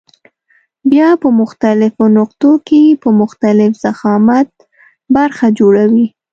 بیا په مختلفو نقطو کې په مختلف ضخامت برخه جوړوي.